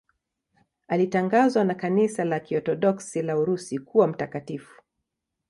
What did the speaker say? Alitangazwa na Kanisa la Kiorthodoksi la Urusi kuwa mtakatifu.